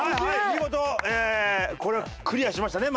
見事これクリアしましたね